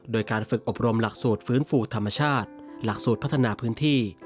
โดยการฝึกอบรมหลักสูตรฟื้นฟูธรรมชาติหลักสูตรพัฒนาพื้นที่